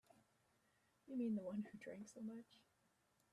You mean the one who drank so much?